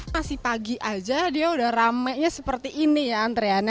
masih pagi aja dia udah ramenya seperti ini ya antreannya